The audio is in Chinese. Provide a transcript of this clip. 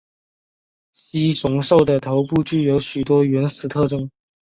蜥熊兽的头部具有许多原始特征。